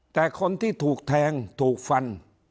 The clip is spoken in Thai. แต่คนที่ถูกแทงถูกฟัน